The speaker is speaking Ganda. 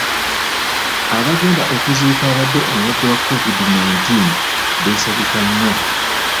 Abagenda okuziika abadde omulwadde wa COVID nineteen beesabika nnyo.